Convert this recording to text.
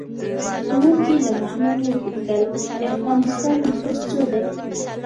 ښوونکي له محمود وپوښتل: د افغانستان نفوس څو دی؟